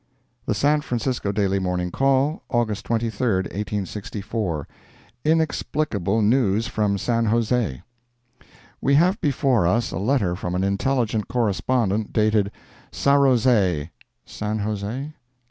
The San Francisco Daily Morning Call, August 23,1864 INEXPLICABLE NEWS FROM SAN JOSE We have before us a letter from an intelligent correspondent, dated "Sarrozay, (San Jose?)